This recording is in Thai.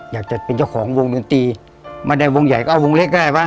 อยากจะเป็นเจ้าของวงดนตรีไม่ได้วงใหญ่ก็เอาวงเล็กก็ได้วะ